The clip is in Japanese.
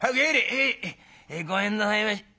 「へい。ごめんなさいまし。